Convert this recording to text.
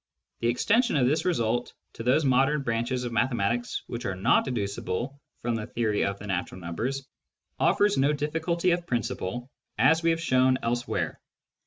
The extension of this result to those modern branches of mathematics which are not deducible from the theory of the natural numbers offers no difficulty of principle, ; as we have shown elsewhere.